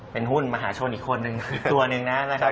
เป็นหุ้นมหาชนอีกคนนึงตัวหนึ่งนะครับ